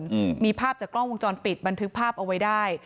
อืมมีภาพจากกล้องวงจรปิดบันทึกภาพเอาไว้ได้